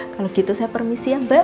kalau begitu saya permisi mbak